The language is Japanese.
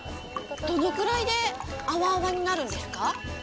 どのくらいでアワアワになるんですか？